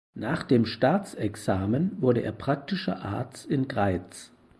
Nach dem Staatsexamen wurde er praktischer Arzt in Greiz.